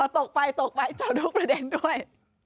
อ๋อตกไปจับทุกประเด็นด้วย